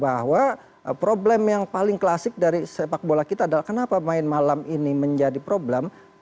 bahwa problem yang paling klasik dari sepak bola kita adalah kenapa main malam ini menjadi problem